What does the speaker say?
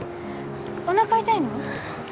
おなか痛いの？